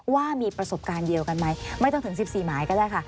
ว่ามีประสบการณ์เดียวกันไหมไม่ต้องถึง๑๔หมายก็ได้ค่ะ